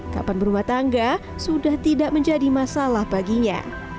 kapan berumah tangga sudah tidak menjadi masalah baginya